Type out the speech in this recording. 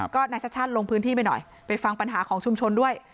ก็นายชัชชาติลงพื้นที่ไปหน่อยไปฟังปัญหาของชุมชนด้วย